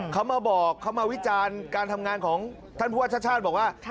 เขามาบอกเขามาวิจารณ์การทำงานของท่านผู้ว่าชาติชาติบอกว่า